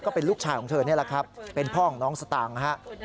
เป็นลูกชายของเธอนี่แหละครับเป็นพ่อของน้องสตางค์นะฮะ